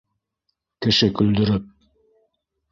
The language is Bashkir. Кеше көлдөрөп...